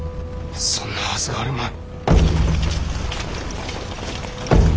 そんなはずがあるまい。